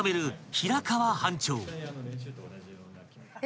平川班長］え！